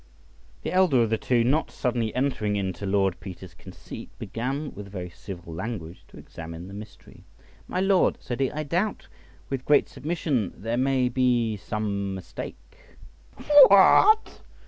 The elder of the two, not suddenly entering into Lord Peter's conceit, began with very civil language to examine the mystery. "My lord," said he, "I doubt, with great submission, there may be some mistake." "What!"